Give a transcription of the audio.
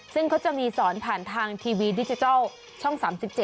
ซึ่งเขาจะมีสอนผ่านทางทีวีดิจิทัลช่อง๓๗